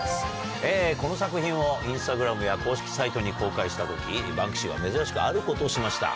この作品をインスタグラムや公式サイトに公開した時バンクシーは珍しくあることをしました。